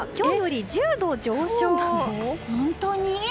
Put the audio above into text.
本当に？